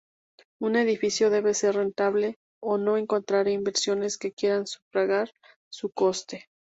Un edificio debe ser rentable, o no encontrará inversores que quieran sufragar su coste.